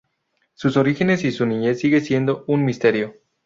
Sus orígenes y su niñez siguen siendo un misterio.